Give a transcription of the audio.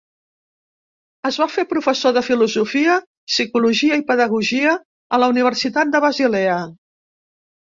Es va fer professor de filosofia, psicologia i pedagogia a la Universitat de Basilea.